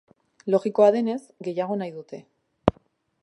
Logikoa denez, gehiago nahi dute.